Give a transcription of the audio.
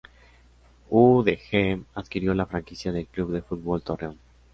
U. de G. adquirió la franquicia de Club de Fútbol Torreón.